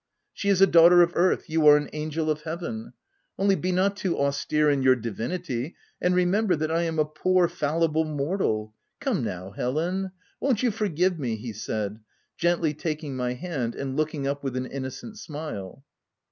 She is a daughter of earth ; you are an angel of heaven ; only be not too austere in your divinity, and re member that I am a poor, fallible mortal. Come now, Helen ; won't you forgive me ? r he said, gently taking my hand, and looking up with an innocent smile.